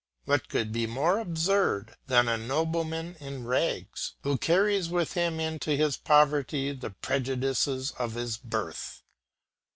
What could be more absurd than a nobleman in rags, who carries with him into his poverty the prejudices of his birth?